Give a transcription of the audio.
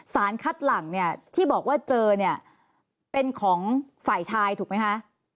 สารคัดหลังที่บอกว่าเจอเป็นของฝ่ายชายถูกไหมคะ